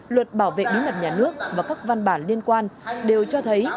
luật bảo vệ bí mật nhà nước và các văn bản liên quan đều cho thấy